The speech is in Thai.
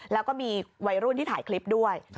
แล้วก็มีวัยรุ่นที่ถ่ายคลิปด้วย